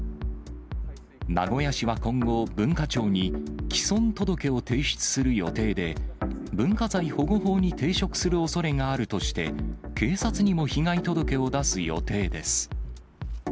名古屋市は今後、文化庁にき損届を提出する予定で、文化財保護法に抵触するおそれがあるとして、警察にも被害届を出す予定です。